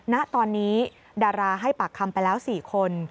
ณตอนนี้ดาราให้ปากคำไปแล้ว๔คน